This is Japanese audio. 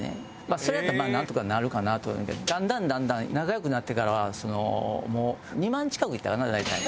それやったらなんとかなるかなと思うんやけどもだんだんだんだん仲良くなってからは２万近くいったかな大体。